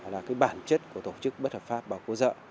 là bản chất của tổ chức bất hợp pháp bà cô sợ